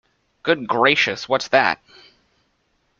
Good gracious, what's that?